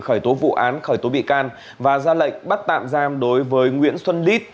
khởi tố vụ án khởi tố bị can và ra lệnh bắt tạm giam đối với nguyễn xuân lít